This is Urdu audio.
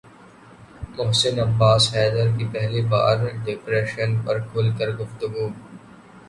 محسن عباس حیدر کی پہلی بار ڈپریشن پر کھل کر گفتگو